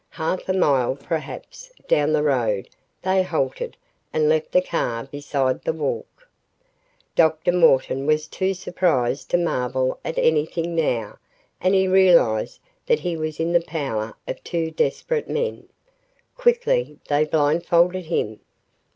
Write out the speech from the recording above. Half a mile, perhaps, down the road, they halted and left the car beside the walk. Dr. Morton was too surprised to marvel at anything now and he realized that he was in the power of two desperate men. Quickly, they blindfolded him.